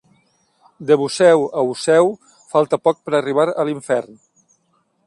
De Buseu a Useu, falta poc per arribar a l'infern.